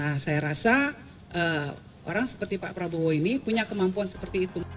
nah saya rasa orang seperti pak prabowo ini punya kemampuan seperti itu